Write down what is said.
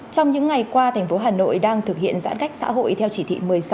trong những ngày qua thành phố hà nội đang thực hiện giãn cách xã hội theo chỉ thị một mươi sáu